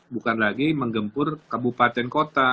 bukan lagi menggempur kabupaten kota